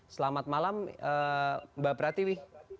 selamat malam mbak pratiwi